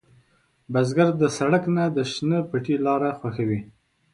بزګر د سړک نه، د شنې پټي لاره خوښوي